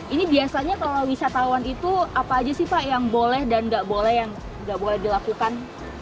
ini biasanya kalau wisatawan itu apa aja sih pak yang boleh dan nggak boleh yang nggak boleh dilakukan